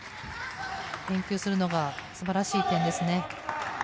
返球するのが素晴らしい点ですね。